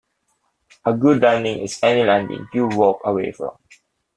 A good landing is any landing you walk away from.